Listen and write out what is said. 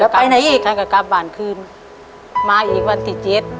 ไปไหนอีกท่านก็กลับบ้านคืนมาอีกวันที่เจ็ด